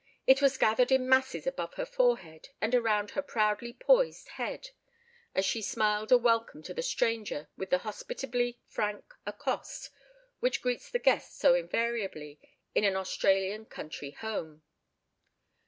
It was gathered in masses above her forehead and around her proudly poised head, as she smiled a welcome to the stranger with the hospitably frank accost which greets the guest so invariably in an Australian country home.